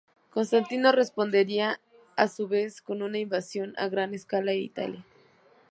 Constantino, respondería a su vez con una invasión a gran escala a Italia.